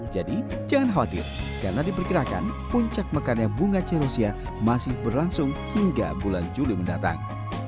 jadi jangan khawatir karena diperkirakan puncak mekanik bunga celosia masih berlangsung hingga bulan juli mendatang